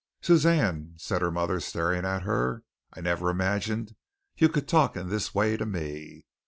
"Suzanne," said her mother, staring at her, "I never imagined you could talk in this way to me.